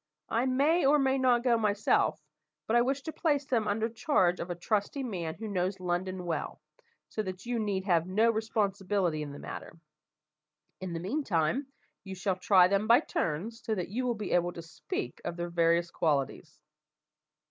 I may or may not go myself, but I wish to place them under charge of a trusty man who knows London well, so that you need have no responsibility in the matter. In the meantime, you shall try them by turns, so that you will be able to speak of their various qualities."